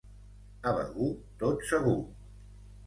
A Begur, tot segur.